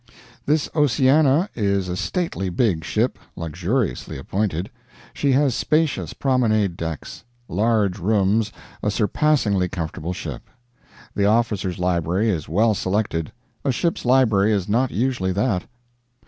This 'Oceana' is a stately big ship, luxuriously appointed. She has spacious promenade decks. Large rooms; a surpassingly comfortable ship. The officers' library is well selected; a ship's library is not usually that